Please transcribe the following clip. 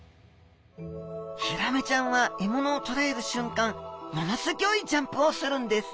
ヒラメちゃんはえものをとらえるしゅんかんものすギョいジャンプをするんです。